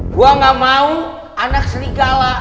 gue gak mau anak serigala